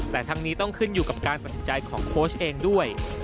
แต่ทั้งนี้ต้องขึ้นอยู่กับการตัดสินใจของโค้ชเองด้วย